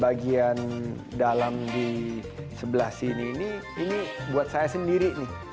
bagian dalam di sebelah sini ini ini buat saya sendiri nih